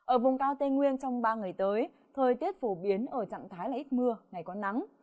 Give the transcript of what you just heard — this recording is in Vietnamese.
ở vùng cao tây nguyên trong ba ngày tới thời tiết phổ biến ở trạng thái là ít mưa ngày có nắng